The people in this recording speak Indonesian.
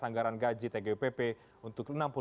anggaran gaji tgupp untuk enam puluh tujuh